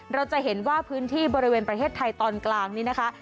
เราจะเห็นว่าพื้นที่บริเวณประเทศไทยตอนกลางนี้นะคะ